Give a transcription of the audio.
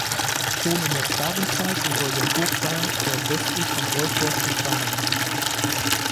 Schon in der Slawenzeit soll der Burgwall nordwestlich von Goldberg bestanden haben.